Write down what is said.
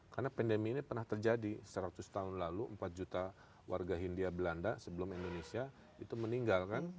karena pandemi ini pernah terjadi seratus tahun lalu empat juta warga hindia belanda sebelum indonesia itu meninggal kan